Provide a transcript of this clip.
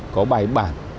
có bài bản